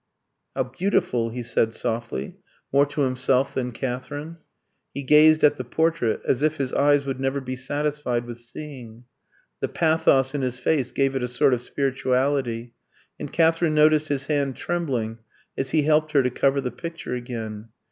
"How beautiful!" he said softly, more to himself than Katherine. He gazed at the portrait as if his eyes would never be satisfied with seeing. The pathos in his face gave it a sort of spirituality; and Katherine noticed his hand trembling as he helped her to cover the picture again.